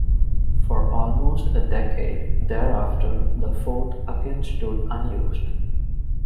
For almost a decade thereafter the fort again stood unused.